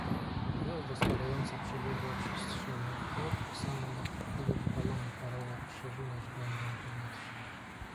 "Gwiazda spadająca przebiegła przestrzenie, tak samo jak kiedyś balony parowe przerzynać będą powietrze."